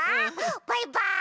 バイバーイ！